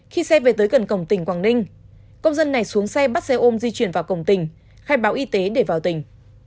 khi xe về tới gần cổng tỉnh quảng ninh công dân này xuống xe bắt xe ôm di chuyển vào cổng tỉnh khai báo y tế để vào tỉnh